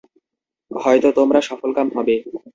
হয়ত তোমরা সফলকাম হবে।